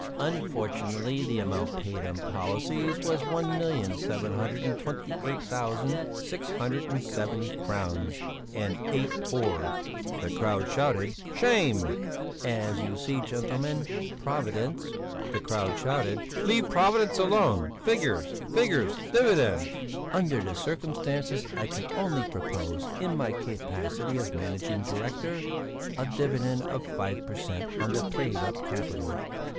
"Unfortunately the amount paid on policies was one million seven hundred and twenty eight thousand six hundred and seventy crowns and eight öre." "Shame!" "As you see, gentlemen, Providence...." "Leave Providence alone! Figures! Figures! Dividends!" "Under the circumstances I can only propose, in my capacity as Managing Director, a dividend of 5 per cent. on the paid up capital."